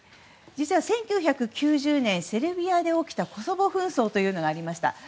実は１９９０年にセルビアで起きたコソボ紛争というのがありました。